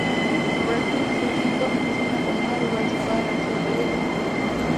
Breteuil-sur-Iton es una comuna rural situada en el sur de Eure.